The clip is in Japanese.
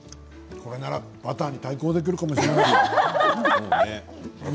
これならバターに対抗できるかもしれない。